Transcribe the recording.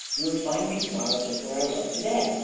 You would find me to morrow just where I was to day.